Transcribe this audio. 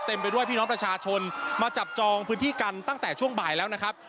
ไปด้วยพี่น้องประชาชนมาจับจองพื้นที่กันตั้งแต่ช่วงบ่ายแล้วนะครับ